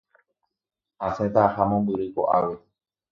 Asẽta aha mombyry ko'águi.